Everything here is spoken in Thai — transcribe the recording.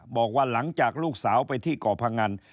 บอกว่าหลังจากลูกสาวไปที่ก่อพงัน